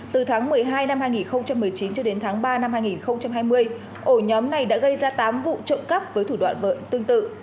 từ tháng một mươi hai năm hai nghìn một mươi chín cho đến tháng ba năm hai nghìn hai mươi ổ nhóm này đã gây ra tám vụ trộm cắp với thủ đoạn vợ tương tự